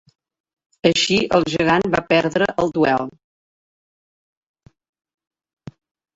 Així, el gegant va perdre el duel.